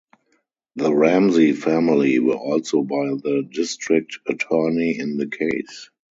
The Ramsey family were also by the district attorney in the case.